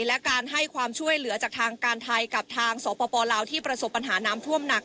และการให้ความช่วยเหลือจากทางการไทยกับทางสปลาวที่ประสบปัญหาน้ำท่วมหนัก